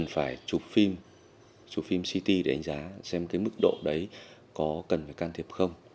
phải chụp phim chụp phim city để đánh giá xem cái mức độ đấy có cần phải can thiệp không